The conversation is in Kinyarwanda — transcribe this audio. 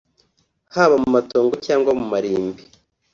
haba mu matongo cyangwa mu marimbi